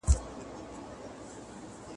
چي تمام دېوان یې له باریکیو ډک دی